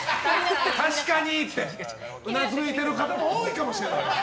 確かにって、うなずいてる方も多いかもしれない。